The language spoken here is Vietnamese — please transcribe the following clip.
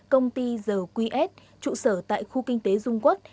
công ty the qs trụ sở tại khu kinh tế dung quốc